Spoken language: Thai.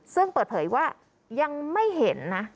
ซึ่งเปิดเผยว่ายังไม่เห็นนะ